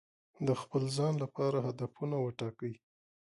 د خپل ځان لپاره هدفونه وټاکئ.